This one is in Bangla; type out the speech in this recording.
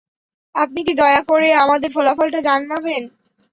আপনি কি দয়া করে আমাদের ফলাফলটা জানাবেন?